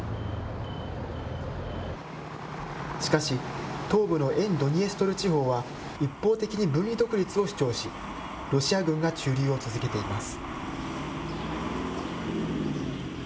しかし、東部の沿ドニエストル地方は一方的に分離独立を主張し、ロシア軍が駐留を続けています。